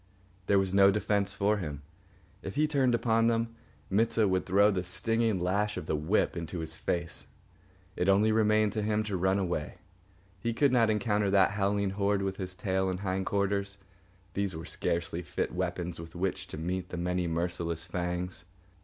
There was no defence for him. If he turned upon them, Mit sah would throw the stinging lash of the whip into his face. Only remained to him to run away. He could not encounter that howling horde with his tail and hind quarters. These were scarcely fit weapons with which to meet the many merciless fangs.